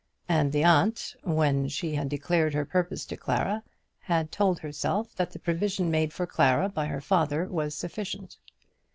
And the aunt, when she had declared her purpose to Clara, had told herself that the provision made for Clara by her father was sufficient.